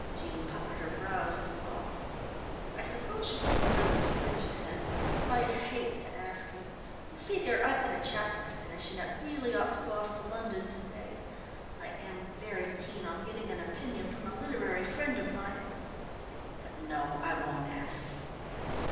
Jean puckered her brows in thought. "I suppose you could do it," she said, "but I'd hate to ask you. You see, dear, I've got a chapter to finish and it really ought to go off to London to day. I am very keen on getting an opinion from a literary friend of mine but, no, I won't ask you."